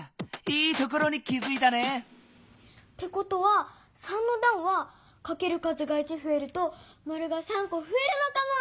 いいところに気づいたね！ってことは３のだんはかける数が１ふえるとマルが３こふえるのかも。